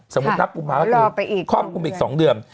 สมมุตินักกุมภาพันธ์คือคอบคุมไปอีก๒เดือน